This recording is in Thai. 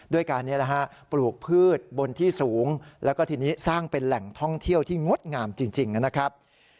ด้วยการนี้นะฮะปลูกพืชบนที่สูงแล้วก็ทีนี้สร้างเป็นแหล่งท่องเที่ยวที่งดงามจริงนะครับ